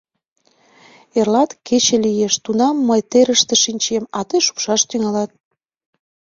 Эрлат кече лиеш, тунам мый терыште шинчем, а тый шупшаш тӱҥалат.